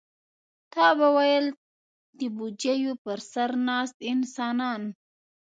تا به ویل د بوجیو پر سر ناست انسانان.